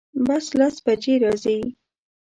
بس لس بجی راځي